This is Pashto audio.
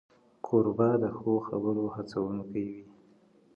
کوربه د ښو خبرو هڅونکی وي.